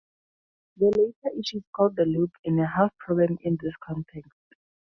The latter issue is called the loop and a half problem in this context.